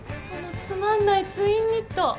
そのつまんないツインニット。